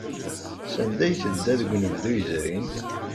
Sanda ay tedda deg unebdu yezrin?